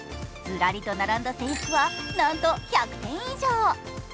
ずらりと並んだ制服はなんと１００点以上。